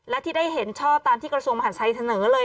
และที่ได้เห็นชอบตามที่กระทรวงมหาดไทยเสนอเลย